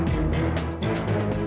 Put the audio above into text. aku mau berjalan